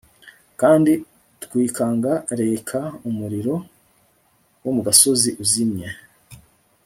Kandi twikanga Reka umuriro wo mu gasozi uzimye…